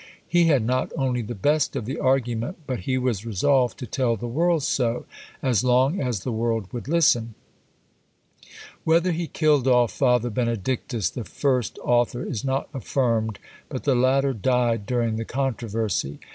He had not only the best of the argument, but he was resolved to tell the world so, as long as the world would listen. Whether he killed off Father Benedictus, the first author, is not affirmed; but the latter died during the controversy.